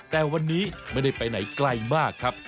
แต่วันนี้ไม่ได้ไปไหนไกลมากครับ